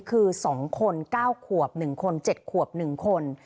คือ๒คน๙ขวบ๑คน๗ขวบ๑คน